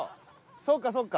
そうかそうか。